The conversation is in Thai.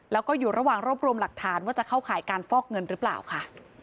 แล้วก็อยู่ระหว่างรวบรวมหลักฐานว่าจะเข้าข่ายการฟอกเงินหรือเปล่าค่ะ